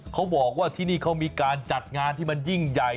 เขาบอกว่าที่นี่เขามีการจัดงานที่มันยิ่งใหญ่